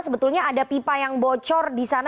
sebetulnya ada pipa yang bocor di sana